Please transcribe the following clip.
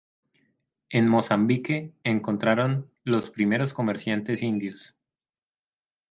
En Mozambique encontraron los primeros comerciantes indios.